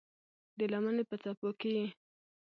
د لمنې په څپو کې یې